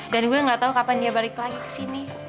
dan gue gak tau kapan dia balik lagi kesini